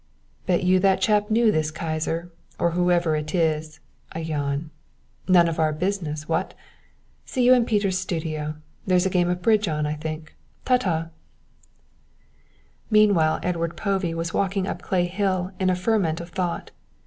"Bet you that chap knew this Kyser, or whoever it is " a yawn "none of our business, what! See you in Peter's studio, there's a game of bridge on, I think. Ta ta." Meanwhile Edward Povey was walking up Clay Hill in a ferment of thought.